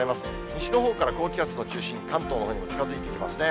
西のほうから高気圧の中心、関東のほうに近づいていますね。